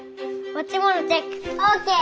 持ち物チェックオーケー！